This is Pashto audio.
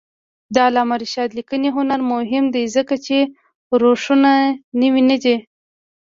د علامه رشاد لیکنی هنر مهم دی ځکه چې روشونه نوي دي.